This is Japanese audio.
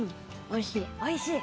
おいしい。